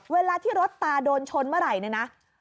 เวลาที่รถตาโดนชนเมื่อไหร่